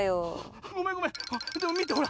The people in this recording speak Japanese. ごめんごめんでもみてほら。